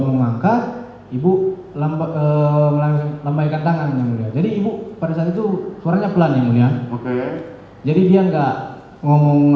mengangkat ibu melambaikan tangan jadi ibu pada saat itu suaranya pelan ya mulia oke jadi dia gak ngomong